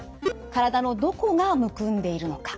体のどこがむくんでいるのか。